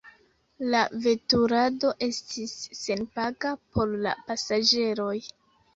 La veturado estis senpaga por la pasaĝeroj.